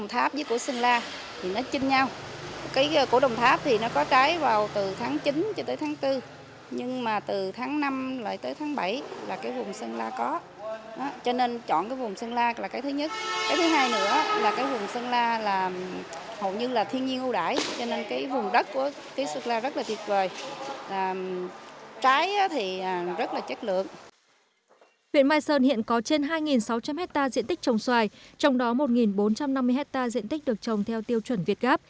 huyện mai sơn hiện có trên hai sáu trăm linh hectare diện tích trồng xoài trong đó một bốn trăm năm mươi hectare diện tích được trồng theo tiêu chuẩn việt gáp